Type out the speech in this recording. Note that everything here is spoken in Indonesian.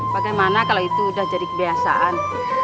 bagaimana kalau itu sudah jadi kebiasaan